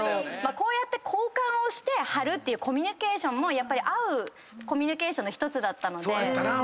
こうやって交換をして貼るっていうコミュニケーションも会うコミュニケーションの１つだったので。